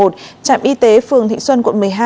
trạm y tế phường thịnh xuân quận một mươi hai